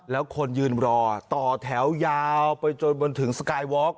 แล้วคนยืนรอต่อแถวยาวไปจนบนถึงสกายวอล์ก